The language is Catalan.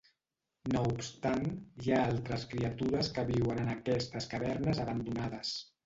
No obstant hi ha altres criatures que viuen en aquestes cavernes abandonades.